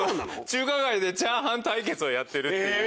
中華街でチャーハン対決をやってる。